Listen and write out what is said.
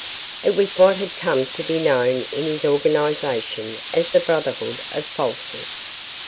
It was what had come to be known in his organization as the "Brotherhood of Falsers."